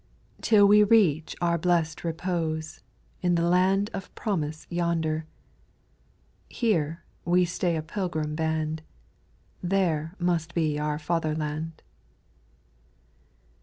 Till we reach our blest repose. In the land of promise yonder : Here we stay a pilgrim band. There must be our fatherland.